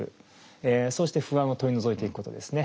そうして不安を取り除いていくことですね。